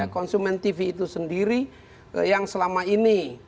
konsumen tv itu sendiri yang selama ini